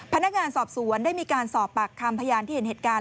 พนักงานสอบสวนได้มีการสอบปากคำพยานที่เห็นเหตุการณ์